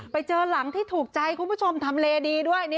ไปเจอหลังที่ถูกใจคุณผู้ชมทำเลดีด้วย